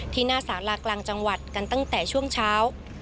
หน้าสารากลางจังหวัดกันตั้งแต่ช่วงเช้า